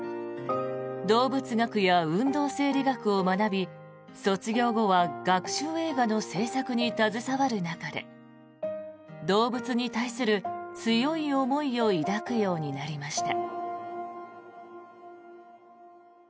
動物学や運動生理学を学び卒業後は学習映画の制作に携わる中で動物に対する強い思いを抱くようになりました。